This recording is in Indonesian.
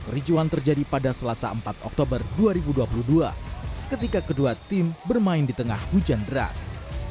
ricuan terjadi pada selasa empat oktober dua ribu dua puluh dua ketika kedua tim bermain di tengah hujan deras